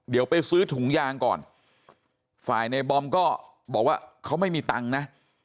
เดี๋ยวไปซื้อถุงยางก่อนฝ่ายในบอมก็บอกว่าเขาไม่มีตังค์นะ